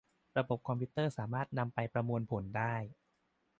ระบบคอมพิวเตอร์สามารถนำไปประมวลผลได้